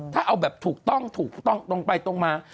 ถ้าเอาแบบถูกต้องถูกต้องตรงไปตรงมา